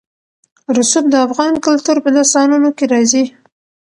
رسوب د افغان کلتور په داستانونو کې راځي.